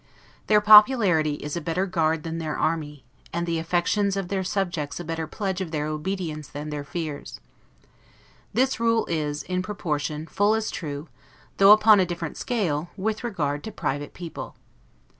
Their popularity is a better guard than their army, and the affections of their subjects a better pledge of their obedience than their fears. This rule is, in proportion, full as true, though upon a different scale, with regard to private people.